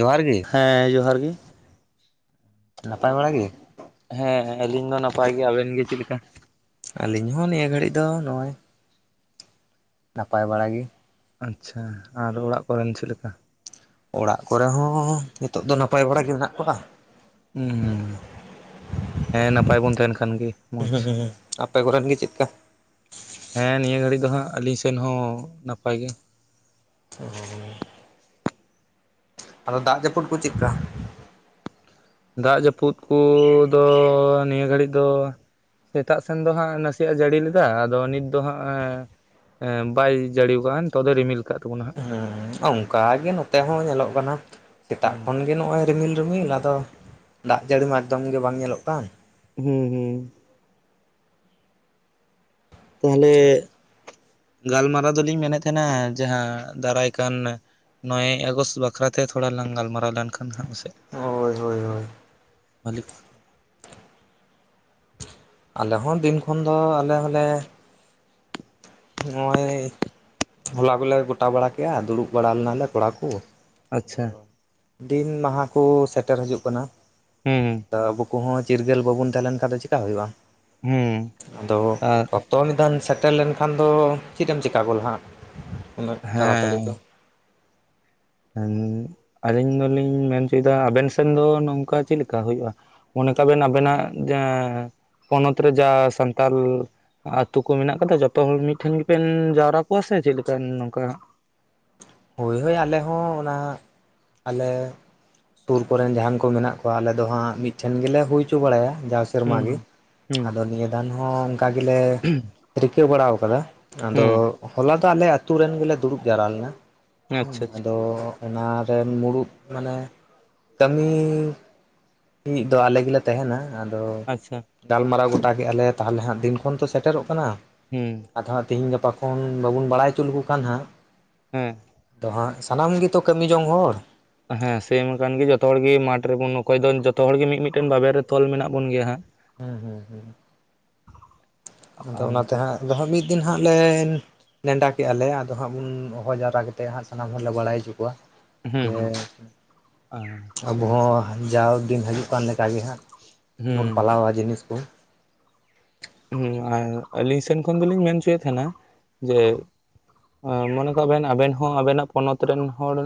ᱡᱚᱦᱟᱨ ᱜᱤ, ᱦᱮᱸᱻ ᱡᱚᱦᱟᱨ ᱜᱤ ᱱᱟᱯᱟᱭ ᱵᱟᱲᱟ ᱜᱤ? ᱦᱮᱸ ᱦᱮᱸ ᱟᱹᱞᱤᱧ ᱫᱚ ᱱᱟᱯᱟᱭ ᱜᱮ, ᱟᱵᱮᱱ ᱜᱮ ᱪᱤᱜ ᱞᱮᱠᱟ? ᱟᱹᱞᱤᱧ ᱦᱚᱸ ᱱᱤᱭᱟᱹ ᱜᱷᱟᱹᱲᱤᱡ ᱫᱚ ᱱᱚᱼᱚᱭ ᱱᱟᱯᱟᱭ ᱵᱟᱲᱟ ᱜᱮ ᱟᱪᱪᱷᱟ ᱟᱨ ᱚᱲᱟᱜ ᱠᱚᱨᱮᱱ ᱪᱮᱜ? ᱞᱮᱠᱟ ᱚᱲᱟᱜ ᱠᱚᱨᱮ ᱦᱚᱸ ᱱᱤᱛᱚᱜ ᱫᱚ ᱱᱟᱯᱟᱭ ᱵᱟᱲᱟ ᱜᱮ ᱢᱮᱱᱟᱜ ᱠᱚᱣᱟ᱾ ᱩᱸ ᱦᱩᱸ ᱦᱮᱸ ᱱᱟᱯᱟᱭ ᱵᱚᱱ ᱛᱟᱦᱮᱱ ᱠᱷᱟᱱ ᱜᱮ᱾ ᱦᱩᱸ ᱢᱚᱡᱽ ᱦᱩᱸ ᱦᱩᱸ ᱦᱩᱸ [unintelligible] ᱟᱯᱮ ᱠᱚᱨᱮᱱ ᱜᱮ ᱪᱮᱜᱠᱟ, ᱦᱮᱸ ᱱᱤᱭᱟᱹ ᱜᱷᱟᱹᱲᱤ ᱫᱚ ᱦᱟᱸᱜ ᱟᱹᱞᱤᱧ ᱥᱮᱱ ᱦᱚᱸ ᱱᱟᱯᱟᱭ ᱜᱮ, [inaudible] ᱟᱫᱚ ᱫᱟᱜ ᱡᱟᱹᱯᱩᱫ ᱠᱚ ᱪᱮᱜ-ᱠᱟ? ᱫᱟᱜ ᱡᱟᱹᱯᱩᱫ ᱠᱩᱻ ᱫᱚ ᱱᱤᱭᱟᱹ ᱜᱷᱟᱹᱲᱤ ᱫᱚ ᱥᱮᱛᱟᱜ ᱥᱮᱱ ᱫᱚ ᱦᱟᱸᱜ ᱱᱟᱥᱤᱭᱟᱜ ᱮ ᱡᱟᱹᱲᱤ ᱞᱮᱫᱟ ᱟᱫᱚ ᱱᱤᱛ ᱫᱚ ᱦᱟᱸᱜ ᱟᱻ [unintelligible] ᱵᱟᱭ ᱡᱟᱹᱲᱤ ᱟᱠᱟᱜ ᱱᱤᱛᱚᱜ ᱫᱚᱭ ᱨᱤᱢᱤᱞ ᱠᱟᱜ ᱛᱟᱵᱚᱱᱟ᱾ ᱚᱸ [unintelligible] ᱚᱱᱠᱟ ᱜᱮ ᱱᱚᱛᱮ ᱦᱚᱸ ᱧᱮᱞᱚᱜ ᱠᱟᱱᱟ᱾ ᱥᱮᱛᱟᱜ ᱦᱟᱸᱜ ᱠᱷᱚᱱ ᱜᱮ ᱱᱚᱜᱼᱚᱭ ᱨᱤᱢᱤᱞ ᱨᱤᱢᱤᱞ ᱟᱫᱚ ᱫᱟᱜ ᱡᱟᱹᱲᱤ ᱢᱟ ᱮᱠᱫᱚᱢ ᱜᱮ ᱵᱟᱝ ᱧᱮᱞᱚᱜ ᱠᱟᱱ᱾ ᱦᱮᱸ ᱦᱩᱸ᱾ ᱛᱟᱦᱞᱮ ᱜᱟᱞᱢᱟᱨᱟᱣ ᱫᱚ ᱞᱤᱧ ᱢᱮᱱᱮᱫ ᱛᱟᱦᱮᱱᱟ ᱡᱟᱸᱦᱟ ᱫᱟᱨᱟᱭ ᱠᱟᱱᱼᱼ ᱱᱚᱭᱮ ᱟᱜᱚᱥᱴ ᱵᱟᱠᱷᱨᱟ ᱛᱮ ᱛᱷᱚᱲᱟ ᱞᱟᱝ ᱜᱟᱞᱢᱟᱨᱟᱣ ᱞᱮᱱᱼᱼ [unintelligible] ᱥᱮ ᱦᱳᱭ ᱦᱳᱭ ᱦᱳᱭ [unintelligible] ᱟᱞᱮ ᱦᱚᱸ ᱫᱤᱱ ᱠᱷᱚᱱ ᱫᱚ ᱟᱞᱮ ᱦᱚᱸ ᱞᱮᱼᱼ ᱱᱚᱜᱼᱚᱭ ᱦᱚᱞᱟ ᱜᱚᱞᱮ ᱜᱚᱴᱟ ᱵᱟᱲᱟ ᱠᱮᱜ-ᱟ ᱫᱩᱲᱩᱵ ᱵᱟᱲᱟ ᱞᱮᱱᱟ ᱞᱮ ᱠᱚᱲᱟ ᱠᱩ᱾ ᱟᱪᱪᱷᱟ᱾ ᱫᱤᱱ ᱢᱟᱦᱟ ᱠᱚ ᱥᱮᱴᱮᱨ ᱦᱟᱡᱩᱜ ᱠᱟᱱᱟ ᱦᱩᱸ ᱛᱚ ᱟᱵᱚ ᱠᱚᱦᱚᱸᱼᱼ ᱪᱤᱨᱜᱟᱹᱞ ᱵᱟᱵᱚᱱ ᱛᱟᱦᱮᱸ ᱞᱮᱱ ᱠᱷᱟᱱ ᱫᱚ ᱪᱮᱠᱟ ᱦᱩᱭᱩᱜᱼᱟ ᱦᱩᱸ ᱟᱫᱚ ᱟᱨ ᱼᱼ ᱛᱚ ᱢᱤᱫ ᱫᱷᱟᱣ ᱮᱢ ᱥᱮᱴᱮᱨ ᱞᱮᱱᱠᱷᱟᱱ ᱫᱚ, ᱪᱮᱫ ᱮᱢ ᱪᱤᱠᱟ ᱜᱚᱫᱟ ᱦᱟᱸᱜ ᱩᱱᱟᱹᱜ ᱛᱟᱲᱟᱛᱟᱹᱲᱤ ᱫᱚ᱾ ᱮᱱ ᱟᱹᱞᱤᱧ ᱫᱚ ᱞᱤᱧ ᱢᱮᱱ ᱪᱚᱭ ᱫᱟ ᱟᱵᱮᱱ ᱥᱮᱱ ᱫᱚ ᱱᱚᱝᱠᱟ ᱪᱮᱫ ᱞᱮᱠᱟ ᱦᱩᱭᱩᱜᱼᱟ? ᱢᱚᱱᱮ ᱠᱟᱜ ᱵᱮᱱ ᱟᱵᱮᱱᱟᱜ ᱦᱚᱱᱚᱛ ᱨᱮ ᱡᱟᱦᱟ ᱥᱟᱱᱛᱟᱞᱼᱼ ᱟᱹᱛᱩ ᱠᱚ ᱢᱮᱱᱟᱜ ᱠᱟᱫᱟ ᱡᱚᱛᱚ ᱦᱚᱲ ᱢᱤᱫᱴᱷᱮᱱ ᱜᱮᱵᱮᱱ ᱡᱟᱣᱨᱟ ᱠᱚᱣᱟ ᱥᱮ ᱪᱮᱫ ᱞᱮᱠᱟ, ᱱᱚᱝᱠᱟᱼᱼ ᱦᱳᱭ ᱦᱳᱭ ᱟᱞᱮ ᱦᱚᱸ ᱚᱱᱟ ᱟᱞᱮᱼᱼ ᱥᱩᱨ ᱠᱚ ᱨᱮᱱ ᱡᱟᱦᱟᱱ ᱠᱚ ᱢᱮᱱᱟᱜ ᱠᱚᱣᱟ ᱟᱞᱮ ᱫᱚ ᱦᱟᱸᱜ ᱢᱤᱫᱴᱷᱮᱱ ᱜᱮᱞᱮ ᱦᱩᱭ ᱪᱚ ᱵᱟᱲᱟᱭᱟ, ᱡᱟᱥᱼᱼ ᱥᱮᱨᱢᱟ ᱦᱩᱸ ᱜᱮ, ᱦᱩᱸ ᱟᱫᱚ ᱱᱤᱭᱟᱹ ᱫᱟᱱ ᱦᱚᱸ ᱚᱱᱠᱟ ᱜᱮᱞᱮ ᱨᱤᱠᱟᱹ ᱵᱟᱲᱟᱣ ᱠᱟᱫᱟ᱾ ᱟᱫᱚ ᱦᱩᱸ ᱦᱚᱞᱟ ᱫᱚ ᱟᱞᱮ ᱟᱹᱛᱩ ᱨᱮᱱ ᱜᱮᱞᱮ ᱫᱩᱲᱩᱵ ᱡᱟᱣᱨᱟ ᱞᱮᱱᱟ᱾ ᱦᱩᱸ, ᱟᱪᱪᱷᱟ ᱟᱪᱪᱷᱟ ᱟᱫᱚ ᱚᱱᱟ ᱨᱮᱱ ᱢᱩᱲᱩᱛ ᱢᱟᱱᱮ ᱠᱟᱹᱢᱤ ᱼᱼ ᱢᱤᱫ ᱫᱚ ᱟᱞᱮ ᱜᱮᱞᱮ ᱛᱟᱦᱮᱱᱟ ᱟᱫᱚᱼᱼ ᱟᱪᱪᱷᱟ ᱜᱟᱞᱢᱟᱨᱟᱣ ᱜᱚᱴᱟ ᱠᱮᱜᱼᱟ ᱞᱮ ᱛᱟᱦᱞᱮ ᱦᱟᱸᱜ ᱫᱤᱱ ᱠᱷᱚᱱ ᱛᱚ ᱥᱮᱴᱮᱨᱚᱜ ᱠᱟᱱᱟ, ᱦᱩᱸ ᱟᱫᱚ ᱦᱟᱸᱜ ᱛᱤᱦᱤᱧ ᱜᱟᱯᱟᱼᱼ ᱠᱷᱚᱱ ᱵᱟᱵᱩᱱ ᱵᱟᱲᱟᱭ ᱪᱚ ᱞᱮᱠᱚ ᱠᱷᱟᱱ ᱦᱟᱸᱜᱼᱼ ᱦᱩᱸ᱾ ᱛᱚ ᱦᱟᱸᱜ ᱥᱟᱱᱟᱢ ᱜᱤᱛᱚ ᱠᱟᱹᱢᱤ ᱡᱚᱝ ᱦᱚᱲ᱾ ᱦᱮᱸ ᱥᱮ ᱢᱟ ᱠᱟᱱ ᱜᱤ ᱡᱚᱛᱚ ᱦᱚᱲ ᱜᱮ ᱢᱟᱴᱷ ᱨᱮᱵᱚᱱ ᱚᱠᱚᱭ ᱫᱚ ᱡᱚᱛᱚ ᱦᱚᱲ ᱜᱮ ᱢᱤᱜ ᱢᱤᱜᱴᱮᱱ ᱵᱟᱵᱮᱨ ᱨᱮ ᱛᱚᱞ ᱢᱮᱱᱟᱜ ᱵᱚᱱ ᱜᱮᱭᱟ ᱦᱟᱸᱜ᱾ ᱦᱮᱸ ᱦᱮᱸ ᱦᱮᱸ, ᱟᱫᱚ ᱚᱱᱟ ᱛᱮ ᱦᱟᱸᱜ ᱫᱚ ᱦᱟᱸᱜ ᱢᱤᱫ ᱫᱤᱱ ᱦᱟᱸᱜ ᱞᱮᱼᱼ ᱱᱮᱰᱟ ᱠᱮᱜᱼᱟ ᱞᱮ ᱟᱫᱚ ᱦᱟᱸᱜ ᱩᱱ ᱦᱚᱦᱚ ᱡᱟᱣᱨᱟ ᱠᱟᱛᱮᱜ ᱦᱟᱸᱜ ᱥᱟᱱᱟᱢ ᱦᱚᱲ ᱞᱮ ᱵᱟᱲᱟᱭ ᱩᱪᱩ ᱠᱚᱣᱟ᱾ ᱦᱩᱸ ᱡᱮ ᱦᱩᱸ ᱟᱵᱚ ᱟᱪᱪᱷᱟ ᱦᱚᱸ ᱡᱟᱣ ᱫᱤᱱ ᱦᱟᱹᱡᱩᱜ ᱠᱟᱱ ᱞᱮᱠᱟ ᱜᱮ ᱦᱟᱸᱜᱼᱼ ᱦᱩᱸ᱾ [unintelligible] ᱡᱤᱱᱤᱥ ᱠᱩᱼᱼ ᱦᱩᱸ ᱟᱨ ᱟᱹᱞᱤᱧ ᱥᱮᱱ ᱠᱷᱚᱱ ᱫᱩᱞᱤᱧ ᱢᱮᱱ ᱩᱪᱩᱭᱮᱜ ᱛᱮᱦᱮᱱᱟ ᱡᱮᱼᱼ ᱟ ᱢᱚᱱᱮ ᱠᱟᱜ ᱵᱮᱱ ᱟᱵᱮᱱ ᱦᱚᱸ ᱟᱵᱮᱱᱟᱜ ᱯᱚᱱᱚᱛ ᱨᱮᱱ ᱦᱚᱲᱼᱼ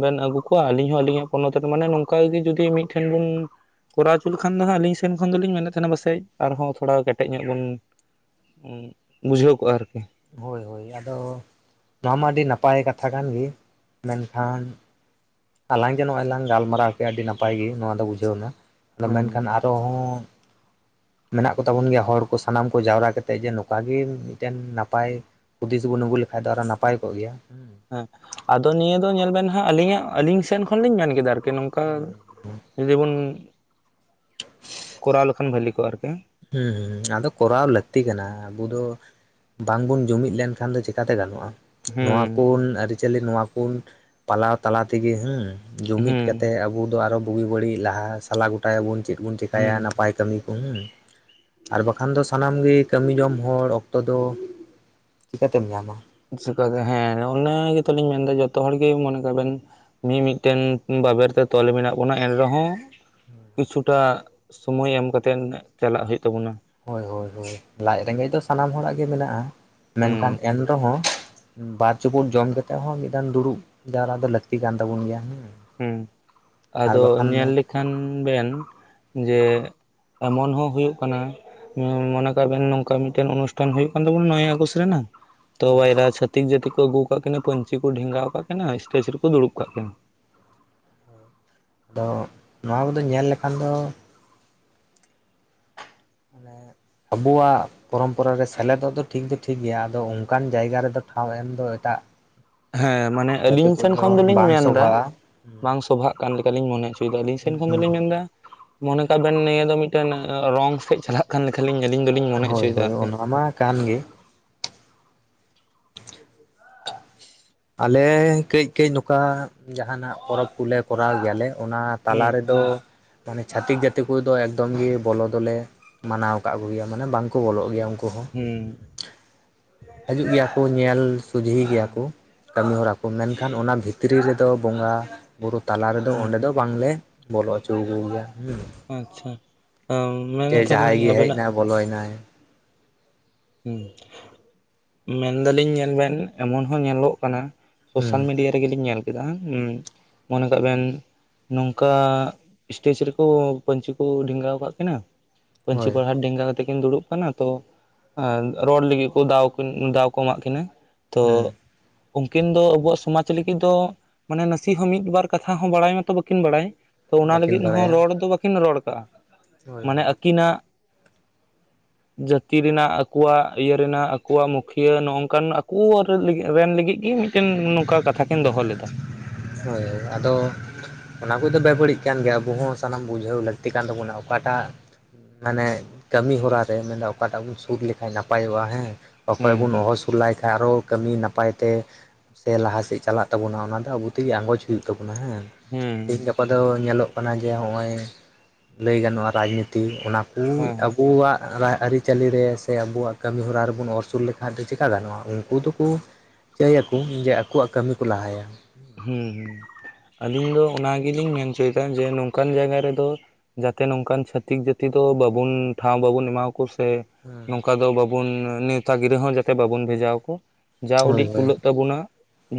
ᱵᱮᱱ ᱟᱹᱜᱩ ᱠᱚᱣᱟ ᱟᱹᱞᱤᱧ ᱦᱚᱸ ᱟᱹᱞᱤᱧᱟᱜ ᱯᱚᱱᱚᱛ ᱨᱮ ᱢᱟᱱᱮ ᱱᱚᱝᱠᱟ ᱜᱤ ᱡᱩᱫᱤ ᱢᱤᱫᱴᱷᱮᱱ ᱵᱩᱱᱼᱼ ᱠᱚᱨᱟᱣ ᱪᱩ ᱞᱮᱠᱷᱟᱱ ᱫᱚ ᱦᱟᱸᱜ ᱟᱹᱞᱤᱧᱱ ᱥᱮᱱ ᱠᱷᱚᱱ ᱫᱚᱞ ᱤᱧ ᱢᱮᱱᱮᱜ ᱛᱮᱦᱮᱱᱟ ᱯᱟᱥᱮᱡ ᱟᱨᱦᱚᱸᱼᱼ ᱛᱷᱚᱲᱟ ᱠᱮᱴᱮᱡ ᱧᱚᱜ ᱵᱩᱱ, ‌ᱩᱸ ᱵᱩᱡᱷᱟᱹᱣ ᱠᱚᱜ-ᱟ ᱟᱨᱠᱤ᱾ ᱦᱳᱭ ᱦᱳᱭ, ᱟᱫᱚ ᱱᱚᱣᱟ ᱚᱱᱟ ᱢᱟ ᱟᱹᱰᱤ ᱱᱟᱯᱟᱭ ᱠᱟᱛᱷᱟ ᱠᱟᱱ ᱜᱤ ᱢᱮᱱᱠᱷᱟᱱᱼᱼ ᱟᱞᱟᱝ ᱡᱮ ᱱᱚᱜ-ᱚᱸᱭ ᱞᱟᱝ ᱜᱟᱞᱢᱟᱨᱟᱣ ᱠᱮᱜ-ᱟ, ᱟᱹᱰᱤ ᱱᱟᱯᱟᱭ ᱜᱤ ᱱᱚᱣᱟ ᱫᱚ ᱵᱩᱡᱷᱟᱹᱣ ᱱᱟ, ᱟᱫᱚ ᱦᱮᱸ ᱢᱮᱱᱠᱷᱟᱱ ᱟᱨᱚ ᱦᱚᱸᱼᱼ ᱢᱮᱱᱟᱜ ᱠᱚᱛᱟ ᱵᱚᱱ ᱜᱮᱭᱟ ᱦᱚᱲ ᱠᱚ ᱥᱟᱱᱟᱢ ᱠᱚ ᱡᱟᱣᱨᱟ ᱠᱟᱛᱮᱜ ᱡᱮ ᱱᱚᱝᱠᱟ ᱜᱤ ᱢᱤᱫᱴᱮᱱ ᱱᱟᱯᱟᱭᱼᱼ ᱦᱩᱫᱤᱥ ᱵᱩᱱ ᱟᱹᱜᱩ ᱞᱮᱠᱷᱟᱡ ᱫᱚ ᱟᱨᱚ ᱱᱟᱯᱟᱭ ᱠᱚᱜ ᱜᱮᱭᱟ᱾ ᱦᱮᱸ ᱟᱫᱚ ᱱᱤᱭᱟᱹ ᱫᱚ ᱧᱮᱞ ᱵᱮᱱ ᱦᱟᱸᱜ ᱟᱹᱞᱤᱧᱟᱜ, ᱟᱹᱞᱤᱧ ᱥᱮᱱ ᱠᱷᱚᱱ ᱞᱤᱧ ᱢᱮᱱ ᱠᱮᱫᱟ ᱟᱨᱠᱤ ᱱᱩᱝᱠᱟᱼᱼ ᱦᱩᱸ ᱡᱩᱫᱤ ᱵᱩᱱ ᱠᱚᱨᱟᱣ ᱞᱮᱠᱷᱟᱱ ᱵᱷᱟᱹᱞᱤ ᱠᱚᱜ-ᱟ, ᱟᱨᱠᱤ᱾ ᱦᱩᱸ ᱟᱫᱚ ᱠᱚᱨᱟᱣ ᱞᱟᱹᱠᱛᱤ ᱠᱟᱱᱟ ᱟᱵᱩ ᱫᱚᱼᱼ ᱵᱟᱝ ᱵᱩᱱ ᱡᱩᱢᱤᱫ ᱞᱮᱱᱠᱷᱟᱱ ᱫᱚ ᱪᱮᱠᱟᱛᱮ ᱜᱟᱱᱚᱜ-ᱟ᱾ ᱱᱚᱣᱟ ᱦᱩᱸ ᱠᱩᱱ ᱟᱹᱨᱤᱼᱪᱟᱹᱞᱤ, ᱱᱚᱣᱟ ᱠᱩᱱ ᱯᱟᱞᱟᱣ ᱛᱟᱞᱟ ᱛᱤᱜᱤ ᱦᱩᱸᱼᱼ ᱡᱩᱢᱤᱫ ᱦᱩᱸ ᱠᱟᱛᱮᱜ ᱟᱵᱩ ᱫᱚ ᱟᱨᱚ ᱵᱩᱜᱤ ᱵᱟᱹᱲᱤᱡ ᱞᱟᱦᱟ ᱥᱟᱞᱟ ᱜᱩᱼᱼ ᱴᱟᱭᱟ ᱵᱩᱱ ᱪᱤᱜ ᱵᱩᱱ ᱪᱤᱠᱟᱭᱟ ᱦᱩᱸ ᱱᱟᱯᱟᱭ ᱠᱟᱹᱢᱤ ᱠᱩ‌ ᱦᱩᱸᱼᱼ ᱟᱨ ᱵᱟᱠᱷᱟᱱ ᱫᱚ ᱥᱟᱱᱟᱢ ᱜᱤ ᱠᱟᱹᱢᱤ ᱡᱚᱢ ᱦᱚᱲ ᱚᱠᱛᱚ ᱫᱚ ᱪᱤᱠᱟᱹᱛᱮᱢ ᱧᱟᱢᱟ᱾ ᱪᱮᱠᱟᱛᱮ ᱦᱮᱸ ᱚᱱᱟ ᱜᱤᱛᱚ ᱞᱤᱧ ᱢᱮᱱ ᱫᱟ ᱡᱚᱛᱚ ᱦᱚᱲ ᱜᱮ ᱢᱚᱱᱮ ᱠᱟᱜ ᱵᱮᱱᱼᱼ ᱢᱤᱼᱢᱤᱫᱴᱮᱱ ᱵᱟᱵᱮᱨ ᱛᱮ ᱛᱚᱞ ᱢᱮᱱᱟᱜ ᱵᱚᱱᱟ ᱮᱱ ᱨᱮᱦᱚᱸᱼᱼ ᱠᱤᱪᱷᱩ ᱴᱟᱜ ᱥᱚᱢᱚᱭ ᱮᱢ ᱠᱟᱛᱮᱱ ᱪᱟᱞᱟᱜ ᱦᱩᱭᱩᱜ ᱛᱟᱵᱚᱱᱟ᱾ ᱦᱚᱭ ᱦᱚᱭ ᱦᱚᱭ ᱞᱟᱡ ᱨᱮᱸᱜᱮᱡ ᱫᱚ ᱥᱟᱱᱟᱢ ᱦᱚᱲᱟᱜ ᱜᱮ ᱢᱮᱱᱟᱜ-ᱟ ᱢᱮᱱᱠᱷᱟᱱ ᱦᱩᱸ ᱮᱱ ᱨᱮᱦᱚᱸᱼᱼ ᱩᱸ ᱵᱟᱨ ᱪᱩᱯᱩᱫ ᱡᱚᱢ ᱠᱟᱛᱮᱜ ᱦᱚᱸ ᱢᱤᱫ ᱫᱟᱱ ᱫᱩᱲᱩᱵ ᱡᱟᱣᱨᱟ ᱫᱚ ᱞᱟᱹᱠᱛᱤ ᱠᱟᱱ ᱛᱟᱹᱵᱩᱱ ᱜᱤᱭᱟ ᱦᱩᱸ᱾ ᱦᱩᱸ ᱟᱫᱚ ᱧᱮᱞ ᱞᱮᱠᱷᱟᱱ ᱵᱮᱱ ᱡᱮᱼᱼ ᱮᱢᱚᱱ ᱦᱚᱸ ᱦᱩᱭᱩᱜ ᱠᱟᱱᱟᱼᱼ ᱩᱸ ᱢᱚᱱᱮ ᱠᱟᱜ ᱵᱮᱱ ᱱᱚᱝᱠᱟ ᱢᱤᱫᱴᱮᱱ ᱚᱱᱩᱥᱴᱷᱟᱱ ᱦᱩᱭᱩᱜ ᱠᱟᱱ ᱛᱟᱵᱚᱱᱟ ᱱᱚᱭ ᱟᱜᱚᱥᱴ ᱨᱮᱱᱟᱜᱼᱼ ᱛᱚ ᱦᱳᱭ ᱵᱟᱭᱨᱟ ᱪᱷᱟᱹᱛᱤᱠ ᱡᱟᱹᱛᱤ ᱠᱩ ᱟᱹᱜᱩ ᱠᱟᱜ ᱠᱤᱱᱟᱹ ᱯᱟᱹᱧᱪᱤ ᱠᱩ ᱰᱷᱮᱸᱜᱟᱣ ᱠᱟᱜ ᱠᱤᱱᱟ ᱮᱥᱴᱮᱪ ᱨᱮᱠᱚ ᱫᱩᱲᱩᱵ ᱠᱟᱜ ᱠᱤᱱᱟᱹ᱾ ᱟᱫᱚ ᱱᱚᱣᱟ ᱠᱩᱫᱚ ᱧᱮᱞ ᱞᱮᱠᱷᱟᱱ ᱫᱚᱼᱼ ᱢᱟᱱᱮ ᱟᱹᱵᱩᱣᱟᱜᱼᱼ ᱯᱨᱚᱢᱯᱚᱨᱟ ᱨᱮ ᱥᱮᱞᱮᱫᱚᱜ ᱫᱚ ᱴᱷᱤᱠ ᱫᱚ ᱴᱷᱤᱠ ᱜᱮᱭᱟ ᱟᱫᱚ ᱚᱱᱠᱟᱱ ᱡᱟᱭᱜᱟ ᱨᱮᱫᱚ ᱴᱷᱟᱶ ᱮᱢ ᱫᱚ ᱮᱴᱟᱜᱼᱼ ᱦᱮᱸ ᱢᱟᱱᱮ ᱟᱹᱞᱤᱧ ᱴᱷᱮᱱ ᱠᱷᱚᱱ ᱫᱚᱞᱤᱧ ᱵᱟᱝ ᱢᱮᱱ ᱫᱟᱼᱼ ᱥᱚᱵᱷᱟᱜᱼᱟ ᱵᱟᱝ ᱥᱚᱵᱷᱟᱜ ᱠᱟᱱ ᱞᱮᱠᱟ ᱞᱤᱧ ᱢᱚᱱᱮ ᱩᱪᱩᱭ ᱫᱟ ᱟᱹᱞᱤᱧ ᱥᱮᱱ ᱦᱩᱸ ᱠᱷᱚᱱ ᱦᱩᱸ ᱫᱚᱞᱤᱧ ᱢᱮᱱ ᱫᱟᱼ ᱢᱚᱱᱮ ᱠᱟᱜ ᱵᱮᱱ ᱱᱤᱭᱟᱹ ᱫᱚ ᱢᱤᱫᱴᱮᱱ ᱚᱸ ᱨᱚᱝ ᱥᱮᱜ ᱪᱟᱞᱟᱜ ᱠᱟᱱ ᱞᱮᱠᱷᱟ‌ ᱟᱹᱞᱤᱧ ᱫᱚᱞᱤᱧ ᱢᱚᱱᱮ ᱦᱳᱭ ᱩᱪᱩᱭ ᱫᱟ ᱦᱳᱭ ᱟᱨᱠᱤ᱾ ᱚᱱᱟ ᱢᱟ ᱠᱟᱱ ᱜᱤ ᱾ ᱟᱞᱮ ᱠᱟᱹᱡ ᱠᱟᱹᱡ ᱱᱚᱝᱠᱟ ᱡᱟᱦᱟᱸ ᱱᱟᱜᱼᱼ ᱯᱚᱨᱚᱯ ᱠᱩᱞᱮ ᱠᱚᱨᱟᱣ ᱜᱮᱭᱟ ᱞᱮ ᱚᱱᱟ ᱛᱟᱞᱟ ᱦᱩᱸ ᱨᱮᱫᱚᱼᱼ ᱢᱟᱱᱮ ᱪᱷᱟᱛᱤᱠ ᱡᱟᱹᱛᱤ ᱠᱩᱫᱚ ᱮᱠᱫᱚᱢ ᱜᱤ ᱵᱚᱞᱚ ᱫᱚᱞᱮᱼ ᱢᱟᱱᱟᱣ ᱠᱟᱜ ᱠᱚ ᱜᱤᱭᱟ ᱢᱟᱱᱮ ᱵᱟᱝ ᱠᱚ ᱵᱚᱞᱚᱜ ᱜᱮᱭᱟ ᱩᱱᱠᱩ ᱦᱚᱸ ᱾ ᱦᱩᱸ᱾ ᱦᱟᱹᱡᱩᱜ ᱜᱮᱭᱟ ᱠᱚ ᱧᱮᱞ ᱥᱩᱡᱷᱤ ᱜᱤᱭᱟ ᱦᱩᱸ ᱠᱚ᱾ ᱠᱟᱹᱢᱤ ᱦᱚᱨᱟ ᱠᱚ ᱢᱮᱱᱠᱷᱟᱱ ᱚᱱᱟ ᱵᱷᱤᱛᱨᱤ ᱨᱮᱫᱚ ᱵᱚᱸᱜᱟᱼᱼ ᱵᱩᱨᱩ ᱛᱟᱞᱟ ᱨᱮᱫᱚ ᱦᱮᱸ ᱚᱸᱰᱮ ᱫᱚ ᱵᱟᱝ ᱞᱮ ᱵᱚᱞᱚ ᱩᱪᱩᱣ ᱠᱩᱜᱮᱭᱟ᱾ ᱟᱸᱪᱪᱷᱟ ᱚᱶᱼᱼ ᱡᱮ ᱡᱟᱦᱟᱸᱭ ᱜᱮᱭ ᱦᱮᱡ ᱱᱟᱭ ᱵᱚᱞᱚᱭᱮᱱᱟᱭ᱾ ᱩᱸ ᱢᱮᱱᱫᱟ ᱞᱤᱧ ᱧᱮᱞ ᱵᱮᱱ ᱮᱢᱚᱱ ᱦᱚᱸ ᱧᱮᱞᱚᱜ ᱠᱟᱱᱟ ᱥᱳᱥᱟᱞ ᱦᱩᱸ ᱢᱤᱰᱤᱭᱟ, ᱛᱮᱜᱮ ᱞᱤᱧ ᱧᱮᱞ ᱠᱮᱜᱼᱟ ᱩᱸ ᱢᱚᱱᱮ ᱠᱟᱜ ᱵᱮᱱ ᱱᱚᱝᱠᱟ ᱥᱴᱮᱡ ᱨᱮᱠᱚ ᱯᱟᱹᱧᱪᱤ ᱠᱚ ᱰᱷᱮᱸᱜᱟᱣ ᱟᱠᱟᱫ ᱠᱤᱱᱟᱹ ᱯᱟᱹᱧᱪᱤ ᱦᱳᱭ ᱯᱟᱲᱦᱟ ᱰᱮᱝᱜᱟ ᱠᱟᱛᱮ ᱠᱤᱱ ᱫᱩᱲᱩᱵ ᱟᱠᱟᱱᱟ ᱛᱚ ᱟᱨ ᱨᱚᱲ ᱞᱟᱹᱜᱤᱫ ᱠᱚ ᱫᱟᱣ ᱠᱚ ᱮᱢᱟᱜ ᱠᱤᱱᱟᱹ ᱛᱚ ᱦᱩᱸ ᱩᱱᱠᱤᱱ ᱫᱚ ᱟᱵᱚᱣᱟᱜ ᱥᱚᱢᱟᱡᱽ ᱞᱟᱹᱜᱤᱫ ᱫᱚ ᱢᱟᱱᱮ ᱱᱟᱹᱥᱤ ᱦᱚᱸ ᱢᱤᱫᱵᱟᱨ ᱠᱟᱛᱷᱟ ᱦᱚᱸ ᱵᱟᱲᱟᱭ ᱢᱟᱛᱚ ᱵᱟᱹᱠᱤᱱ ᱵᱟᱲᱟᱭ ᱛᱚ ᱚᱱᱟ ᱵᱟᱹᱠᱤᱱ ᱞᱟᱹᱜᱤᱫ ᱦᱚᱸ ᱵᱟᱲᱟᱭᱟ ᱨᱚᱲ ᱫᱚ ᱵᱟᱟᱹᱠᱤᱱ ᱨᱚᱲ ᱟᱠᱟᱜᱼᱟ ᱦᱳᱭ ᱢᱟᱱᱮ ᱦᱳᱭ ᱟᱹᱠᱤᱱᱟᱜ ᱡᱟᱹᱛᱤ ᱨᱮᱱᱟᱜ ᱠᱚᱣᱟᱜ ᱤᱭᱟᱹ ᱨᱮᱱᱟᱜ ᱟᱠᱚᱣᱟᱜ ᱢᱩᱠᱷᱤᱭᱟᱹ ᱱᱚᱜᱠᱟᱱ ᱟᱠᱚ ᱨᱮᱱ ᱞᱟᱹᱜᱤᱫ ᱜᱮ ᱠᱤᱱ ᱱᱚᱝᱠᱟ ᱠᱟᱛᱷᱟ ᱠᱤᱱ ᱫᱚᱦᱚ ᱞᱮᱫᱟ ᱦᱳᱭ ᱟᱫᱚ ᱚᱱᱟ ᱠᱚᱫᱚ ᱵᱮᱼᱵᱟᱹᱲᱤᱡ ᱠᱟᱱ ᱜᱮᱭᱟ ᱟᱵᱚ ᱦᱚᱸ ᱥᱟᱱᱟᱢ ᱵᱩᱡᱷᱟᱹᱣ ᱞᱟᱹᱠᱛᱤ ᱠᱟᱱ ᱛᱟᱵᱚᱱᱟ ᱚᱠᱟᱴᱟᱜ ᱢᱟᱱᱮ ᱠᱟᱹᱢᱤ ᱦᱚᱨᱟ ᱨᱮ ᱢᱮᱱᱫᱟ ᱚᱠᱟᱴᱟᱜ ᱵᱚᱱ ᱥᱩᱫ ᱞᱮᱠᱷᱟᱱ ᱱᱟᱯᱟᱭᱚᱜᱼᱟ ᱦᱮᱸ ᱚᱠᱚᱭ ᱦᱩᱸ ᱵᱚᱱ ᱚᱦᱚ ᱥᱩᱞ ᱞᱟᱭ ᱠᱷᱟᱡ ᱟᱨᱚ ᱠᱟᱹᱢᱤ ᱱᱟᱯᱟᱭ ᱛᱮ ᱥᱮ ᱞᱟᱦᱟ ᱥᱮᱜ ᱪᱟᱞᱟᱜ ᱛᱟᱵᱚᱱᱟ ᱚᱱᱟ ᱫᱚ ᱟᱵᱚ ᱛᱮᱜᱮ ᱟᱸᱜᱚᱪ ᱦᱩᱭᱩᱜ ᱛᱟᱵᱚᱱᱟ ᱦᱮᱸ ᱦᱩᱸ ᱛᱮᱦᱮᱸᱧ ᱜᱟᱯᱟ ᱫᱚ ᱧᱮᱞᱚᱜ ᱚᱱᱟ ᱡᱮ ᱦᱚᱜᱼᱚᱭ ᱞᱟᱹᱭ ᱜᱟᱱᱚᱜᱼᱟ ᱨᱟᱡᱽᱱᱤᱛᱤ ᱚᱱᱟ ᱠᱩ ᱦᱮᱸ ᱦᱩᱸ ᱟᱵᱩᱣᱟᱜ ᱨᱟᱭ ᱟᱹᱨᱤᱪᱟᱹᱞᱤ ᱨᱮ ᱥᱮ ᱟᱵᱚᱣᱟᱜ ᱠᱟᱹᱢᱤ ᱦᱚᱨᱟ ᱨᱮᱵᱚᱱ ᱚᱨ ᱥᱩᱨ ᱞᱮᱠᱷᱟᱡ ᱫᱚ ᱪᱤᱠᱟᱹ ᱜᱟᱱᱚᱜᱼᱟ ᱩᱱᱠᱩ ᱫᱚ ᱠᱚ ᱪᱟᱹᱭ ᱭᱟᱠᱚ ᱡᱮ ᱟᱠᱚᱣᱟᱜ ᱠᱟᱹᱢᱤ ᱠᱚ ᱞᱟᱦᱟᱭᱟ ᱦᱩᱸ ᱟᱹᱞᱤᱧ ᱫᱚ ᱚᱱᱟ ᱜᱤᱞᱤᱧ ᱢᱮᱱ ᱦᱚᱪᱚ ᱭᱮᱫᱟ ᱡᱮ ᱱᱚᱝᱠᱟᱱ ᱡᱟᱭᱜᱟ ᱨᱮᱫᱚ ᱡᱟᱛᱮ ᱱᱚᱝᱠᱟᱱ ᱪᱷᱟᱹᱛᱤᱠ ᱡᱟᱹᱛᱤ ᱫᱚ ᱵᱟᱵᱚᱱ ᱴᱷᱟᱶ ᱵᱟᱵᱚᱱ ᱮᱢᱟᱣ ᱠᱚ ᱥᱮ ᱱᱚᱝᱠᱟ ᱫᱚ ᱵᱟᱵᱚᱱ ᱱᱮᱶᱛᱟ ᱜᱤᱨᱟᱹ ᱦᱚᱸ ᱡᱮᱛᱮ ᱵᱟᱵᱚᱱ ᱵᱷᱮᱡᱟᱣᱟᱠᱚ ᱡᱟ ᱩᱰᱤ ᱦᱳᱭ ᱦᱳᱭ ᱠᱩᱞᱟᱹᱜ ᱛᱟᱵᱚᱱᱟ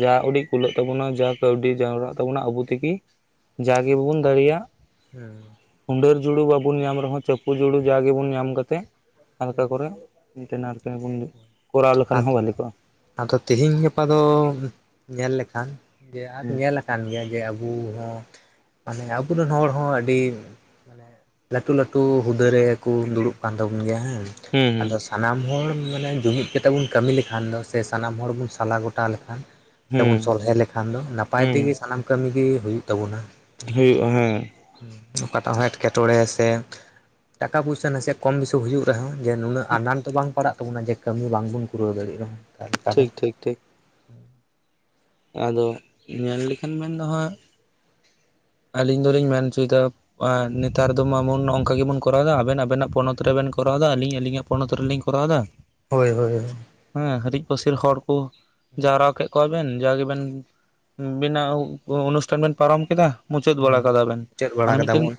ᱡᱟ ᱩᱹᱰᱤᱜ ᱠᱩᱞᱟᱹᱜ ᱛᱟᱵᱚᱱᱟ ᱡᱟ ᱠᱟᱹᱣᱰᱤ ᱡᱟᱣᱨᱟᱜ ᱛᱟᱵᱚᱱᱟ ᱟᱵᱚ ᱛᱮᱜᱮ ᱡᱟᱜᱮ ᱵᱟᱵᱚᱱ ᱫᱟᱲᱮᱭᱟᱜ ᱦᱩᱸ ᱦᱩᱰᱟᱹᱨ ᱡᱩᱲᱩ ᱵᱟᱵᱚᱱ ᱧᱟᱢ ᱨᱮᱦᱚᱸ ᱪᱟᱯᱩ ᱡᱩᱲᱩ ᱡᱟ ᱜᱮᱵᱚᱱ ᱧᱟᱢ ᱠᱟᱛᱮᱜ ᱦᱟᱞᱠᱟ ᱠᱚᱨᱟ [unintelligible] ᱠᱚᱨᱟᱣ ᱞᱮᱠᱷᱟᱱ ᱟᱫᱚ ᱦᱚᱸ ᱵᱷᱟᱞᱤ ᱠᱚᱜᱼᱟ ᱟᱫᱚ ᱛᱤᱦᱤᱧ ᱜᱟᱯᱟ ᱫᱚ ᱧᱮᱞ ᱞᱮᱠᱷᱟᱱ ᱡᱮ [unintelligible] ᱦᱩᱸ ᱧᱮᱞ ᱠᱟᱱ ᱜᱮᱭᱟ ᱡᱮ, ᱟᱵᱚ ᱦᱚᱸ ᱢᱟᱱᱮ ᱟᱵᱚᱨᱮᱱ ᱦᱚᱲ ᱦᱚᱸ ᱟᱹᱰᱤᱼᱼ ᱞᱟᱹᱴᱩ ᱞᱟᱹᱴᱩ ᱦᱩᱫᱟᱹ ᱨᱮ ᱠᱚ ᱫᱩᱲᱩᱵ ᱠᱟᱱ ᱛᱟᱵᱚᱱ ᱜᱮᱭᱟ ᱦᱮᱸ᱾ ᱦᱩᱸ ᱟᱫᱚ ᱥᱟᱱᱟᱢ ᱦᱚᱲ ᱢᱟᱱᱮ ᱡᱩᱢᱤᱫ ᱠᱟᱛᱮᱼᱼ ᱛᱮ ᱵᱚᱱ ᱠᱟᱹᱢᱤ ᱞᱮᱠᱷᱟᱱ ᱫᱚ, ᱥᱮ ᱥᱟᱱᱟᱢ ᱦᱚᱲ ᱵᱚᱱ ᱥᱟᱞᱟ ᱜᱚᱴᱟ ᱞᱮᱠᱷᱟᱱᱼᱼ ᱦᱩᱸ ᱥᱮ ᱵᱚᱱ ᱦᱩᱸ ᱥᱚᱞᱦᱮ ᱞᱮᱠᱷᱟᱱ ᱫᱚ, ᱱᱟᱯᱟᱭ ᱦᱩᱸ ᱛᱮᱜᱮ ᱥᱟᱱᱟᱢ ᱠᱟᱹᱢᱤ ᱜᱮ ᱦᱩᱭᱩᱜ ᱛᱟᱵᱳᱱᱟ ᱾ ᱦᱩᱭᱩᱜᱼᱟ ᱦᱮᱸ ᱚᱠᱟ ᱴᱟᱜ ᱦᱚᱸ ᱮᱴᱠᱮ ᱴᱚᱬᱮ ᱥᱮᱼᱼ ᱴᱟᱠᱟ ᱯᱩᱭᱥᱟ ᱱᱟᱥᱮ ᱠᱚᱢ ᱵᱤᱥᱤ ᱦᱤᱡᱩᱜ ᱨᱮᱦᱚᱸ ᱡᱮ ᱱᱩᱱᱟᱹᱜ ᱟᱱᱟᱴ ᱫᱚ ᱵᱟᱝ ᱯᱟᱲᱟᱜ ᱛᱟᱵᱚᱱᱟ ᱡᱮ ᱠᱟᱹᱢᱤ ᱵᱟᱝᱼᱼ ᱵᱟᱵᱚᱱ [inaudible] ᱠᱩᱲᱟᱹᱣ ᱫᱟᱲᱮᱭᱟᱜᱼᱟ ᱴᱷᱤᱠ ᱴᱷᱤᱠ ᱴᱷᱤᱠ ᱾ ᱟᱫᱚ, ᱧᱮᱞ ᱞᱮᱠᱷᱟᱱ ᱢᱮᱱ ᱫᱚ ᱦᱟᱸᱜᱼᱼ ᱟᱹᱞᱤᱧ ᱫᱚᱞᱤᱧ ᱢᱮᱱ ᱚᱪᱚᱭᱮᱫᱟ ᱾ ᱟᱜ ᱱᱮᱛᱟᱨ ᱫᱚ ᱱᱚᱝᱠᱟ ᱜᱮᱵᱚᱱ ᱠᱚᱨᱟᱣᱮᱫᱟ, ᱟᱵᱮᱱ ᱟᱵᱮᱱᱟᱜ ᱯᱚᱱᱚᱛ ᱨᱮᱵᱮᱱ ᱠᱚᱨᱟᱣᱮᱫᱟ ᱟᱹᱞᱤᱧ ᱟᱹᱞᱤᱧᱟᱜ᱾ ᱯᱚᱱᱚᱛ ᱨᱮᱞᱤᱧ ᱠᱚᱨᱟᱣ ᱮᱫᱟ ᱾ ᱦᱳᱭ ᱦᱳᱭ ᱾ ᱦᱮᱸ ᱦᱤᱨᱤᱡ ᱯᱟᱹᱥᱤᱨ ᱦᱚᱲ ᱠᱚ, ᱡᱟᱣᱨᱟ ᱠᱮᱫ ᱠᱚᱣᱟ ᱾ ᱵᱮᱱ ᱡᱟᱜᱤ ᱵᱮᱱ ᱵᱤᱱᱟᱜ [unintelligible] ᱚᱱᱩᱥᱴᱷᱟᱱ ᱵᱮᱱ ᱯᱟᱨᱚᱢ ᱠᱮᱫᱟ ᱢᱩᱪᱟᱹᱫ ᱵᱟᱲᱟ ᱠᱟᱫᱟ ᱟᱵᱮᱱ ᱢᱩᱪᱟᱹᱫ ᱵᱟᱲᱟ ᱢᱟᱱᱮ ᱠᱟᱫᱟ ᱢᱤᱫᱴᱮᱱ, ᱵᱚᱱ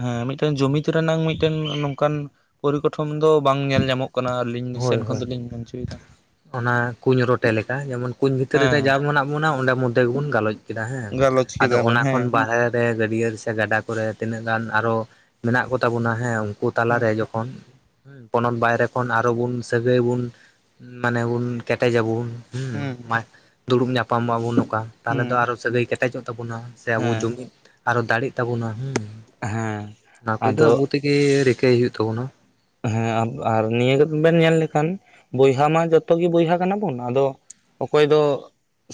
ᱦᱮᱸ ᱢᱤᱫᱴᱮᱱ ᱡᱩᱢᱤᱫ ᱨᱮᱱᱟᱝ ᱢᱤᱫᱴᱮᱱ ᱱᱚᱝᱠᱟᱱᱼᱼ ᱯᱚᱨᱤᱠᱚᱴᱷᱚᱱ ᱫᱚ ᱵᱟᱝ ᱧᱮᱞ ᱧᱟᱢᱚᱜ ᱠᱟᱱᱟ ᱟᱹᱞᱤᱧ ᱦᱳᱭ ᱥᱮᱱ ᱠᱷᱚᱱ ᱦᱳᱭ ᱫᱚᱞᱤᱧ ᱢᱮᱱ ᱦᱚᱪᱚᱭᱮᱫᱟ ᱾ ᱚᱱᱟ ᱠᱩᱧ ᱨᱚᱴᱮ ᱞᱮᱠᱟ, ᱡᱮᱢᱚᱱ ᱠᱩᱧ ᱵᱷᱤᱛᱨᱤ ᱨᱮ ᱡᱟ ᱦᱮᱸ ᱢᱮᱱᱟᱜ ᱵᱚᱱᱟ ᱚᱸᱰᱮ ᱢᱚᱫᱽᱫᱷᱮ ᱜᱮᱵᱚᱱ ᱜᱟᱞᱚᱪᱼᱼ ᱠᱮᱫᱟ ᱦᱮᱸ, ᱜᱟᱞᱚᱪ ᱟᱫᱚ ᱠᱮᱫᱟ ᱵᱚᱱ ᱚᱱᱟ ᱠᱷᱚᱱ ᱦᱮᱸ ᱵᱟᱦᱮᱨᱼᱼ ᱦᱮᱸ, ᱜᱟᱹᱰᱭᱟᱹ ᱥᱮ ᱜᱟᱰᱟ ᱠᱚᱨᱮ ᱛᱤᱱᱟᱹᱜ ᱜᱟᱱ ᱟᱨᱦᱚᱸ ᱢᱮᱱᱟᱜ ᱠᱚ ᱛᱟᱵᱚᱱᱟ, ᱦᱮᱸ ᱩᱱᱠᱩ ᱦᱮᱸ ᱛᱟᱞᱟᱨᱮ ᱡᱚᱠᱷᱚᱱᱼᱼ ᱯᱚᱱᱚᱛ ᱵᱟᱭᱨᱮ ᱠᱷᱚᱱ ᱟᱨᱚ ᱵᱚᱱ ᱥᱟᱹᱜᱟᱹᱭ ᱵᱚᱱ, ᱢᱟᱱᱮ ᱵᱚᱱ ᱠᱮᱴᱮᱡᱟᱵᱚᱱ ᱾ ᱦᱮᱸ [unintelligible] ᱫᱩᱲᱩᱵ ᱧᱟᱯᱟᱢᱚᱜ ᱵᱚᱱ ᱱᱚᱝᱠᱟ, ᱛᱟᱦᱚᱞᱮ ᱦᱮᱸ ᱫᱚ ᱟᱨᱦᱚᱸ ᱥᱟᱹᱜᱟᱹᱭ ᱠᱮᱴᱮᱡᱚᱜ ᱛᱟᱵᱚᱱᱟ᱾ ᱥᱮ ᱟᱵᱚ ᱦᱮᱸ ᱡᱩᱢᱤᱫ, ᱟᱨᱚ ᱫᱟᱲᱮᱜ ᱛᱟᱵᱚᱱᱟ, [unintelligible] ᱦᱩ ᱦᱮᱸ ᱚᱱᱟ ᱠᱚᱫᱚ ᱟᱫᱚ ᱟᱵᱚ [unintelligible] ᱜᱮ ᱨᱤᱠᱟᱹᱭ ᱦᱩᱭᱩᱜ ᱛᱟᱵᱚᱱᱟ। ᱦᱮᱸ ᱟᱨ ᱱᱤᱭᱟᱹᱵᱮᱱ ᱧᱮᱞ ᱞᱮᱠᱷᱟᱱ, ᱵᱚᱭᱦᱟ ᱢᱟ ᱡᱚᱛᱚ ᱜᱮ ᱵᱚᱭᱦᱟ ᱠᱟᱱᱟ ᱵᱚᱱ, ᱟᱫᱚ ᱚᱠᱚᱭ ᱫᱚ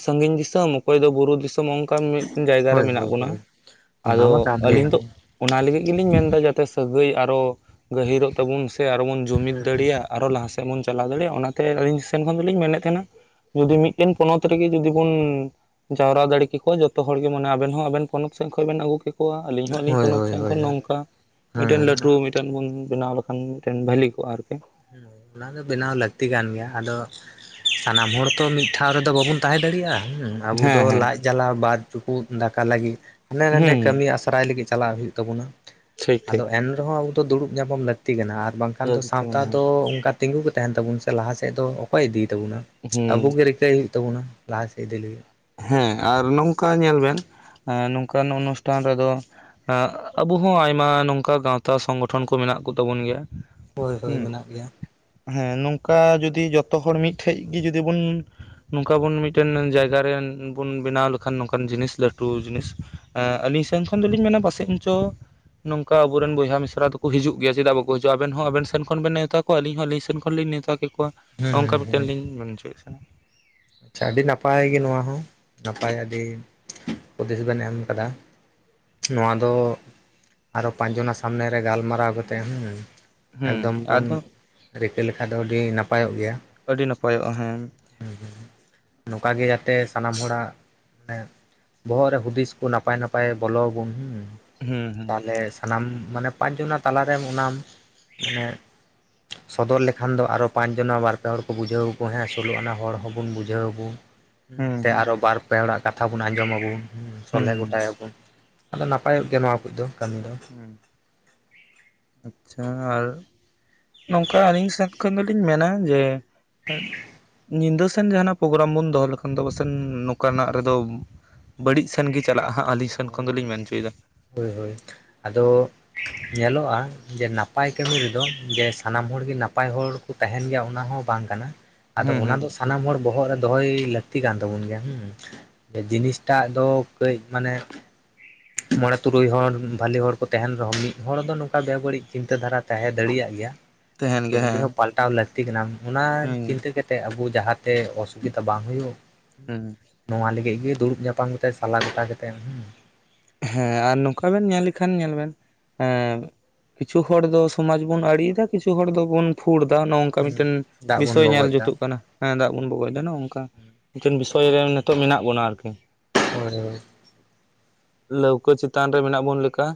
ᱥᱟᱹᱜᱤᱧ ᱫᱤᱥᱚᱢ, ᱚᱠᱚᱭ ᱫᱚ ᱵᱩᱨᱩ ᱫᱤᱥᱚᱢ, ᱚᱱᱠᱟᱱ ᱢᱤᱫ ᱢᱤᱫ ᱡᱟᱭᱜᱟ ᱨᱮ ᱦᱳᱭ ᱢᱮᱱᱟᱜ ᱦᱳᱭ ᱵᱚᱱᱟ, ᱦᱳᱭ ᱚᱱᱟ ᱟᱫᱚ ᱢᱟ ᱠᱟᱱ ᱜᱮ ᱟᱹᱞᱤᱧ ᱫᱚ ᱚᱱᱟ ᱞᱟᱹᱜᱤᱫ ᱜᱮᱞᱤᱧ ᱢᱮᱱ ᱮᱫᱟ, ᱡᱟᱛᱮ ᱥᱟᱹᱜᱟᱹᱭ ᱟᱨᱚ ᱜᱟᱹᱦᱤᱨᱚᱜ ᱛᱟᱵᱚᱱ ᱥᱮ ᱟᱨᱦᱚᱸ ᱵᱚᱱ ᱡᱩᱢᱤᱫ ᱫᱟᱲᱮᱭᱟᱜ। ᱟᱨ ᱦᱚᱸ ᱞᱟᱦᱟ ᱥᱮᱫ ᱵᱚᱱ ᱪᱟᱞᱟᱣ ᱫᱟᱲᱮᱭᱟᱜᱼᱟ ᱚᱱᱟᱛᱮ ᱟᱹᱞᱤᱧ ᱥᱮᱱ ᱠᱷᱚᱱ ᱫᱚᱞᱤᱧ ᱢᱮᱱᱮᱫ ᱛᱟᱦᱮᱱᱟ ᱡᱩᱫᱤ ᱢᱤᱫᱴᱮᱱ ᱯᱚᱱᱚᱛ ᱨᱮᱜᱮ ᱡᱩᱫᱤ ᱵᱚᱱ ᱡᱟᱣᱨᱟ ᱫᱟᱲᱮ ᱠᱮᱠᱚ ᱡᱚᱛᱚ ᱦᱚᱲ ᱜᱮ ᱢᱟᱱᱮ ᱟᱵᱮᱱ ᱦᱚᱸ ᱟᱵᱮᱱ ᱯᱚᱱᱚᱛ ᱥᱮᱫ ᱠᱷᱚᱱ ᱵᱮᱱ ᱟᱹᱜᱩ ᱠᱮᱠᱼᱼ ᱟᱹᱞᱤᱧ ᱦᱚᱸ ᱟᱹᱞᱤᱧ ᱦᱳᱭ ᱯᱚᱱᱚᱛ ᱦᱳᱭ ᱥᱮᱱ ᱦᱳᱭ ᱠᱷᱚᱱ ᱱᱚᱝᱠᱟ, ᱢᱤᱫᱴᱮᱱ ᱦᱮᱸ ᱞᱟᱹᱴᱩ ᱢᱤᱫᱴᱮᱱ ᱵᱚᱱ ᱵᱮᱱᱟᱣ ᱢᱤᱫᱴᱮᱱ ᱵᱷᱷᱟᱞᱤ ᱠᱚᱜᱼᱟ ᱟᱨᱠᱤ। ᱚᱱᱟ ᱫᱚ ᱵᱮᱱᱟᱣ ᱞᱟᱹᱠᱛᱤ ᱠᱟᱱ ᱜᱮᱭᱟ, ᱟᱫᱚ ᱥᱟᱱᱟᱢ ᱦᱚᱲ ᱛᱚ ᱢᱤᱫ ᱴᱷᱟᱶ ᱨᱮᱫᱚ ᱵᱟᱵᱚᱱ ᱛᱟᱸᱦᱮ ᱫᱟᱲᱮᱭᱟᱜᱼᱟ ᱦᱚᱸ। ᱟᱵᱚ ᱦᱮᱸ ᱫᱚ ᱦᱮᱸ ᱞᱟᱡ ᱡᱟᱞᱟ ᱵᱟᱨ ᱪᱩᱯᱩᱫ ᱫᱟᱠᱟ ᱞᱟᱹᱜᱤᱫ, ᱦᱟᱱᱰᱮ ᱱᱟᱰᱮ ᱦᱩᱸ ᱠᱟᱹᱢᱤ ᱟᱥ ᱥᱚᱨᱟᱭ [unintelligible] ᱞᱟᱹᱜᱤᱫ ᱪᱟᱞᱟᱜ ᱦᱩᱭᱩᱜ ᱛᱟᱵᱚᱱᱟ ᱴᱷᱤᱠ ᱟᱫᱚ ᱴᱷᱤᱠ ᱮᱱ ᱨᱮᱦᱚᱸ ᱟᱵᱚ ᱫᱚ ᱫᱩᱲᱩᱵ ᱧᱟᱯᱟᱢ ᱞᱟᱹᱠᱛᱤ ᱠᱟᱱᱟ ᱟᱨ ᱵᱟᱝ ᱠᱷᱟᱱ ᱫᱚ ᱦᱩᱸ ᱥᱟᱶ ᱠᱚ ᱚᱱᱠᱟ ᱛᱤᱸᱜᱩ ᱜᱮ ᱛᱟᱸᱦᱮᱱ ᱛᱟᱵᱚᱱ ᱥᱮ ᱞᱟᱦᱟ ᱥᱮᱫ ᱫᱚ ᱚᱠᱚᱭ ᱤᱫᱤᱭ ᱛᱟᱵᱚᱱᱟ, ᱟᱵᱚ ᱜᱮ ᱨᱤᱠᱟᱹᱭ ᱦᱩᱭᱩᱜ ᱛᱟᱵᱚᱱᱟ। ᱞᱟᱦᱟ ᱥᱮᱫ ᱤᱫᱤ ᱞᱟᱹᱜᱤ ᱦᱮᱸ ᱟᱨ ᱱᱚᱝᱠᱟ ᱧᱮᱞ ᱵᱤᱱ, ᱱᱚᱝᱠᱟᱱ ᱚᱱᱩᱥᱴᱷᱟᱱ ᱨᱮᱫᱚ ᱟᱜ ᱟᱵᱚ ᱦᱚᱸ ᱟᱭᱢᱟ ᱱᱚᱝᱠᱟ ᱜᱟᱣᱛᱟ ᱥᱚᱝᱜᱚᱴᱷᱚᱱ ᱠᱚ ᱢᱮᱱᱟᱜ ᱠᱚ ᱛᱟᱵᱚᱱ ᱜᱮᱭᱟ। ᱦᱳᱭ ᱦᱳᱭ ᱦᱩᱸ ᱢᱮᱱᱟᱜ ᱜᱮᱭᱟ। ᱦᱮᱸ ᱱᱚᱝᱠᱟ ᱡᱩᱫᱤ ᱡᱚᱛᱚ ᱦᱚᱲ ᱢᱤᱫᱴᱷᱮᱡ ᱜᱮ ᱡᱩᱫᱤ ᱵᱚᱱ, ᱱᱚᱝᱠᱟ ᱵᱚᱱ ᱢᱤᱫᱴᱮᱱ ᱡᱟᱭᱜᱟ ᱨᱮ ᱵᱚᱱ ᱵᱮᱱᱟᱣ ᱞᱮᱠᱷᱟᱱ ᱱᱚᱝᱠᱟᱱ ᱡᱤᱱᱤᱥ ᱞᱟᱹᱴᱩ ᱡᱤᱱᱤᱥ ᱮᱸ ᱟᱹᱞᱤᱧ ᱥᱮᱱ ᱠᱷᱚᱱ ᱫᱚᱞᱤᱧ ᱢᱮᱱᱟ ᱯᱟᱥᱮᱫ ᱫᱚ ᱱᱚᱝᱠᱟ ᱟᱵᱚᱨᱮᱱ ᱵᱚᱭᱦᱟ ᱢᱤᱥᱨᱟᱠᱚ ᱦᱤᱡᱩᱜ ᱜᱮᱭᱟ, ᱪᱮᱫᱟᱜ ᱵᱟᱠᱚ ᱦᱤᱡᱩᱜᱼᱟ ᱟᱵᱮᱱ ᱦᱚᱸ ᱟᱵᱮᱱ ᱥᱮᱱ ᱠᱷᱚᱱ ᱵᱮᱱ ᱱᱮᱶᱛᱟ ᱟᱹᱞᱤᱧ ᱦᱚᱸ ᱟᱹᱞᱤᱧ ᱥᱮᱫ ᱠᱷᱚᱱᱞᱤᱧ ᱱᱮᱶᱛᱟ ᱠᱮᱫ ᱠᱚᱣᱟ, ᱦᱮᱸ ᱦᱮᱸ ᱱᱚᱝᱠᱟ ᱢᱤᱫᱴᱮᱱ ᱦᱮᱸ ᱞᱤᱧ ᱢᱮᱱ ᱦᱚᱪᱚᱭᱮᱫᱼᱟ। ᱟᱪᱪᱷᱟ ᱟᱹᱰᱤ ᱱᱟᱯᱟᱭ ᱜᱮ ᱱᱚᱣᱟ ᱦᱚᱸ, ᱱᱟᱯᱟᱭ ᱟᱹᱰᱤ ᱦᱩᱫᱤᱥ ᱵᱮᱱ ᱮᱢ ᱟᱠᱟᱫᱟ। ᱱᱚᱣᱟ ᱫᱚ, ᱟᱨᱦᱚᱸ ᱯᱟᱸᱪ ᱡᱚᱱᱟᱜ ᱥᱟᱢᱱᱮ ᱨᱮ ᱜᱟᱞᱢᱟᱨᱟᱣ ᱠᱟᱛᱮ ᱦᱮᱸ। ᱦᱮᱸ ᱮᱠᱫᱚᱢ ᱵᱚᱱ ᱟᱫᱚ ᱨᱤᱠᱟᱹ ᱞᱮᱠᱷᱟᱱ ᱫᱚ ᱟᱹᱰᱤ ᱱᱟᱯᱟᱭᱚᱜ ᱜᱮᱭᱟ। ᱟᱹᱰᱤ ᱱᱟᱯᱟᱭᱚᱜᱼᱟ ᱦᱮᱸ। ᱦᱮᱸ᱾ ᱱᱚᱝᱠᱟ ᱜᱮ ᱡᱟᱛᱮ ᱥᱟᱱᱟᱢ ᱦᱚᱲᱟᱜ ᱢᱟᱱᱮ ᱵᱚᱦᱚᱜ ᱨᱮ ᱦᱩᱫᱤᱥ ᱠᱚ ᱱᱟᱯᱟᱭ ᱱᱟᱯᱟᱭ ᱵᱚᱞᱚ ᱟᱵᱚᱱ ᱦᱮᱸ ᱦᱮᱸ ᱦᱮᱸ ᱛᱟᱦᱚᱞᱮ ᱥᱟᱱᱟᱢ ᱢᱟᱱᱮ ᱯᱟᱸᱪ ᱡᱚᱱᱟ ᱛᱟᱞᱟᱨᱮ ᱚᱱᱟᱢ ᱢᱟᱱᱮ ᱥᱚᱫᱚᱨ ᱞᱮᱠᱷᱟᱱ ᱫᱚ ᱟᱨ ᱯᱟᱸᱪ ᱡᱚᱱᱟ ᱵᱟᱨ ᱯᱮ ᱦᱚᱲ ᱠᱚ ᱵᱩᱡᱷᱟᱹᱣ ᱟᱠᱚ ᱦᱮᱸ ᱥᱩᱞᱳ ᱟᱱᱟ ᱦᱚᱲ ᱦᱚᱸ ᱵᱚᱱ ᱵᱩᱡᱷᱟᱹᱣ ᱟᱵᱚᱱ ᱥᱮ, ᱦᱩᱸ ᱟᱨᱦᱚᱸ ᱵᱟᱨ ᱯᱮ ᱦᱚᱲᱟᱜ ᱠᱟᱛᱷᱟ ᱵᱚᱱ ᱟᱸᱡᱚᱢ ᱟᱵᱚᱱ ᱦᱩᱸ ᱥᱚᱞᱦᱮ ᱜᱚᱴᱟᱭᱟᱵᱚᱱ ᱟᱫᱚ ᱱᱟᱯᱟᱭᱚᱜ ᱜᱮᱭᱟ ᱱᱚᱣᱟ ᱠᱚᱫᱚ ᱠᱟᱹᱢᱤ ᱫᱚ। ᱦᱮᱸ। ᱟᱪᱪᱷᱟ ᱟᱨ ᱱᱚᱝᱠᱟ ᱟᱹᱞᱤᱧ ᱥᱮᱫ ᱠᱷᱚᱱ ᱫᱚᱞᱤᱧ ᱢᱮᱱᱟ ᱡᱮ [unintelligible] ᱧᱤᱫᱟᱹ ᱥᱮᱱ ᱡᱟᱦᱟᱱᱟᱜ ᱯᱨᱚᱜᱮᱨᱟᱢ ᱵᱚᱱ ᱫᱚᱦᱚ ᱞᱮᱠᱷᱟᱱ ᱫᱚ, ᱯᱟᱥᱮ ᱱᱚᱝᱠᱟ ᱱᱟᱜ ᱨᱮᱫᱚ ᱵᱟᱹᱲᱤᱡ ᱥᱮᱱ ᱜᱮ ᱪᱟᱞᱟᱜᱼᱟ᱾ ᱟᱞᱤᱧ ᱥᱮᱱ ᱠᱷᱚᱱ ᱦᱳᱭ ᱫᱚᱞᱤᱧ ᱦᱳᱭ ᱢᱮᱱ ᱪᱚᱭ ᱫᱟ ᱦᱳᱭ ᱦᱳᱭ᱾ ᱟᱫᱚ ᱧᱮᱞᱚᱜᱼᱟ ᱡᱮ ᱱᱟ ᱯᱟᱭ ᱠᱟᱹᱢᱤ ᱨᱮᱫᱚ ᱡᱮ ᱥᱟᱱᱟᱢ ᱦᱚᱲ ᱜᱮ ᱱᱟᱯᱟᱭ ᱦᱚᱲ ᱠᱚ ᱛᱟᱸᱦᱮᱱ ᱜᱮᱭᱟ, ᱚᱱᱟ ᱦᱚᱸ ᱵᱟᱝ ᱠᱟᱱᱟ ᱟᱫᱚ ᱦᱩᱸ ᱚᱱᱟ ᱦᱩᱸ ᱫᱚ ᱥᱟᱱᱟᱢ ᱦᱚᱲ ᱵᱚᱦᱚᱜ ᱨᱮ ᱫᱚᱦᱚᱭ ᱞᱟᱹᱠᱛᱤ ᱠᱟᱱ ᱛᱟᱵᱚᱱ ᱜᱮᱭᱟᱸ, ᱡᱮ ᱡᱤᱱᱤᱥᱴᱟᱜ ᱫᱚ ᱠᱟᱹᱭ ᱢᱟᱱᱮ ᱢᱚᱬᱮ ᱛᱩᱨᱩᱭ ᱦᱚᱲ ᱵᱷᱟᱞᱤ ᱦᱚᱲ ᱠᱚ ᱛᱟᱦᱮᱱ ᱨᱮᱦᱚᱸ ᱢᱤᱫ ᱦᱚᱲ ᱫᱚ ᱱᱚᱝᱠᱟ ᱵᱮ ᱵᱟᱹᱲᱤᱡ ᱪᱤᱱᱛᱟᱹ ᱫᱷᱟᱨᱟ ᱛᱟᱸᱦᱮ ᱫᱟᱲᱮᱭᱟᱜ ᱜᱮᱭᱟ ᱛᱟᱦᱮᱱ ᱠᱤᱱᱛᱩ ᱜᱮᱭᱟ ᱩᱱᱤ ᱦᱮᱸ ᱦᱚᱸ ᱯᱟᱞᱴᱟᱣ ᱞᱟᱹᱠᱛᱤ ᱠᱟᱱᱟ᱾ ᱚᱱᱟ ᱦᱩᱸ ᱪᱤᱱᱛᱟᱹ ᱠᱟᱛᱮ ᱛᱮ ᱟᱵᱚ ᱡᱟᱦᱟᱸᱛᱮ ᱚᱥᱩᱵᱤᱫᱷᱟ ᱵᱟᱝ ᱦᱳᱭᱳᱜ ᱦᱮᱸ। ᱱᱚᱣᱟ ᱞᱟᱹᱜᱤᱫ ᱜᱮ ᱫᱩᱲᱩᱵ ᱧᱟᱯᱟᱢ ᱠᱟᱛᱮᱜ ᱥᱟᱞᱟ ᱜᱚᱴᱟ ᱠᱟᱛᱮᱱ ᱦᱮᱸ ᱟᱨ ᱱᱚᱝᱠᱟ ᱵᱮᱱ ᱧᱮᱞ ᱞᱮᱠᱷᱟᱱ ᱧᱮᱞ ᱵᱮᱱ ᱦᱮᱸ ᱠᱤᱪᱷᱩ ᱦᱚᱲ ᱫᱚ ᱥᱚᱢᱟᱡ ᱵᱚᱱ ᱟᱲᱤᱭᱮᱫᱟ ᱠᱤᱪᱷᱩ ᱦᱚᱲ ᱫᱚᱵᱚᱱ ᱯᱷᱩᱲ ᱫᱟ, ᱱᱚᱜ ᱱᱚᱝᱠᱟ ᱢᱤᱫᱴᱮᱱ ᱫᱟᱜ ᱵᱚᱱ ᱵᱤᱥᱚᱭ ᱧᱮᱞ ᱜᱚᱜᱚᱡ ᱮᱫᱟ ᱡᱩᱛᱩᱜ ᱠᱟᱱᱟ᱾ ᱦᱮᱸ ᱫᱟᱜ ᱵᱚᱱ ᱵᱚᱜᱚᱭ ᱫᱟ ᱱᱚᱝᱠᱟ ᱢᱤᱫᱴᱮᱱ ᱵᱤᱥᱚᱭ ᱨᱮ ᱱᱤᱛᱚᱜ ᱢᱮᱱᱟᱜ ᱵᱚᱱᱟ ᱟᱨᱠᱤ [inaudible] ᱞᱟᱹᱣᱠᱟᱹ ᱪᱮᱛᱟᱱ ᱨᱮ ᱢᱮᱱᱟᱜ ᱵᱚᱱ ᱞᱮᱠᱟ,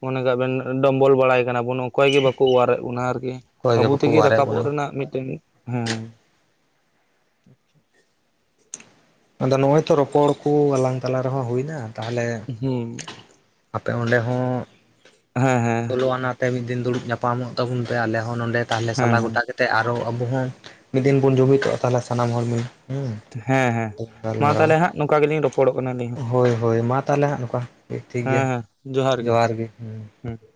ᱢᱚᱱᱮ ᱠᱟᱜ ᱵᱮᱱ ᱰᱚᱵᱚᱞ ᱵᱟᱲᱟᱭ ᱠᱟᱱᱟ ᱵᱚᱱ ᱚᱠᱚᱭ ᱜᱮ ᱵᱟᱠᱚ ᱚᱣᱟᱨᱮᱫ ᱵᱚᱱᱟ ᱟᱨᱠᱤ ᱚᱠᱚᱭ ᱜᱮ ᱟᱵᱚ ᱵᱟᱠᱚ ᱛᱮᱜᱮ ᱚᱣᱟᱨᱮᱫ ᱵᱚᱱᱟ ᱨᱟᱠᱟᱵᱚᱜ ᱨᱮᱱᱟᱜ ᱢᱤᱫᱴᱮᱱ ᱦᱮᱸ ᱟᱫᱚ ᱱᱚᱜᱼᱚᱭ ᱛᱚ ᱨᱚᱯᱚᱲ ᱠᱚ ᱟᱞᱟᱝ ᱛᱟᱞᱟ ᱨᱮᱦᱚᱸ ᱦᱩᱭ ᱱᱟ ᱛᱟᱦᱚᱞᱮ ᱦᱩᱸ ᱟᱯᱮ ᱚᱸᱰᱮ ᱦᱚᱸ ᱦᱮᱸ ᱦᱮᱸ ᱾ ᱥᱳᱞᱳ ᱟᱱᱟ ᱛᱮ ᱢᱤᱫ ᱫᱤᱱ ᱫᱩᱲᱩᱵ ᱧᱟᱯᱟᱢᱚᱜ ᱛᱟᱵᱚᱱ ᱯᱮ, ᱟᱞᱮ ᱦᱚᱸ ᱱᱚᱰᱮ ᱛᱟᱦᱚᱞᱮ ᱥᱟᱞᱟ ᱦᱮᱸ ᱦᱮᱸ ᱜᱚᱴᱟ ᱜᱮ ᱛᱮᱜ ᱟᱨᱚ ᱟᱵᱚ ᱦᱚᱸ ᱢᱤᱫ ᱫᱤᱱ ᱵᱚᱱ ᱡᱩᱢᱤᱫᱚᱜᱼᱟ ᱛᱟᱦᱞᱮ ᱥᱟᱱᱟᱢ ᱦᱚᱲ ᱜᱮ ᱦᱩᱸ ᱦᱮᱸ ᱦᱮᱸ ᱢᱟ ᱜᱟᱞᱢᱟᱨᱟᱣᱟ ᱛᱟᱦᱚᱞᱮ ᱦᱟᱸᱜ ᱱᱚᱝᱠᱟ ᱜᱮᱞᱤᱧ ᱨᱚᱯᱚᱲᱚᱜ ᱠᱟᱱᱟ ᱟᱹᱞᱤᱧ ᱦᱚᱸ ᱦᱳᱭ ᱦᱳᱭ ᱢᱟ ᱛᱟᱦᱚᱞᱮ ᱦᱟᱸᱜ ᱱᱚᱠᱟ ᱴᱷᱤᱠ ᱜᱮᱭᱟ ᱡᱚᱦᱟᱨ ᱜᱮ ᱦᱮᱸ ᱾ ᱦᱮᱸ ᱾